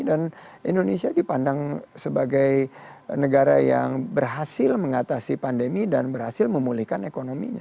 dan indonesia dipandang sebagai negara yang berhasil mengatasi pandemi dan berhasil memulihkan ekonominya